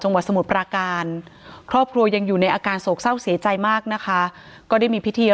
สมุทรปราการครอบครัวยังอยู่ในอาการโศกเศร้าเสียใจมากนะคะก็ได้มีพิธี